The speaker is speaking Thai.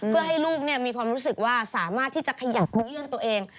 เพื่อให้ลูกมีความรู้สึกว่าสามารถที่จะขยับรู้เรื่องตัวเอง